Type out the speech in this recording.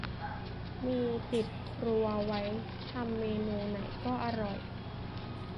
มีติดครัวไว้ทำเมนูไหนก็อร่อย